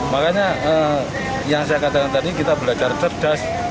makanya yang saya katakan tadi kita belajar cerdas